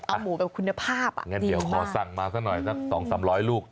เอาหมูแบบคุณภาพอ่ะดีกว่างั้นเดี๋ยวขอสั่งมาสักหน่อยสัก๒๐๐๓๐๐ลูก